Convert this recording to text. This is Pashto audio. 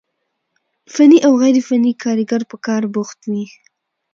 فني او غير فني کاريګر په کار بوخت وي،